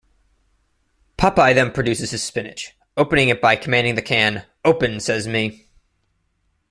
Popeye then produces his spinach, opening it by commanding the can Open sez me!